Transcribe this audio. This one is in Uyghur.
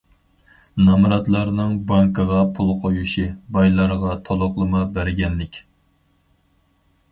نامراتلارنىڭ بانكىغا پۇل قويۇشى، بايلارغا تولۇقلىما بەرگەنلىك.